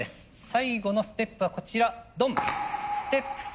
最後のステップはこちらドン！